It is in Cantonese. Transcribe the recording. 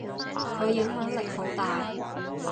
佢影響力好大。